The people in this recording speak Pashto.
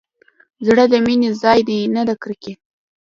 زړه د مينې ځاى دى نه د کرکې.